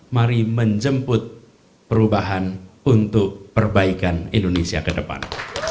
mari menjemput perubahan untuk perbaikan indonesia ke depan